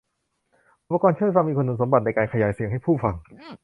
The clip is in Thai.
อุปกรณ์ช่วยฟังมีคุณสมบัติในการขยายเสียงให้ผู้ฟัง